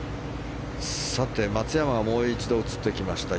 さて、松山がもう一度、映ってきました。